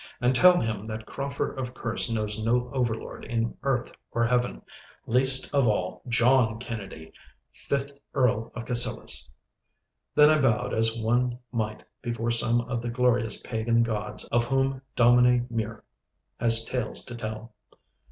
And tell him that Crauford of Kerse knows no overlord in earth or heaven—least of all John Kennedy, fifth Earl of Cassillis!' Then I bowed as one might before some of the glorious pagan gods of whom Dominie Mure has tales to tell.